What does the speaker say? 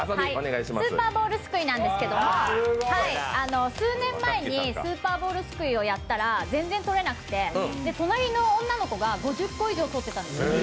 スーパーボールすくいなんですけど数年前に、スーパーボールすくいをやったら、全然取れなくて隣の女の子が５０個以上取ってたんですよ。